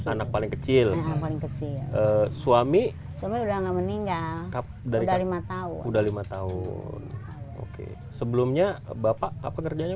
anak paling kecil suami sudah lima tahun sebelumnya bapak apa kerjanya